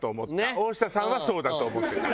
大下さんはそうだと思ってた。